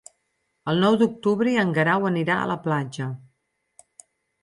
El nou d'octubre en Guerau anirà a la platja.